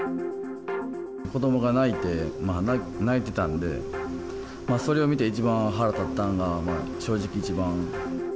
子どもが泣いて、泣いてたんで、それを見て、一番腹立ったんが、正直一番。